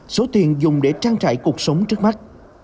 số tiền dùng để trang trải cuộc sống trước mắt